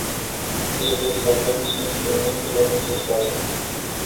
Trebuie să avem și instrumentele necesare.